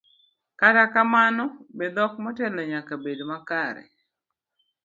Kata kamano, be dhok motelo nyaka bed makare?